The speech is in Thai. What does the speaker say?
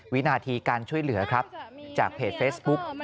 วินาทีการช่วยเหลือครับจากเพจเฟซบุ๊ก